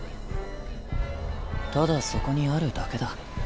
ただそこにあるだけだ。